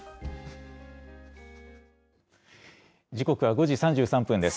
時刻は５時３３分です。